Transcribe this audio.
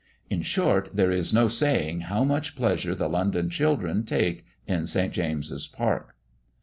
In short, there is no saying how much pleasure the London children take in St. James's Park.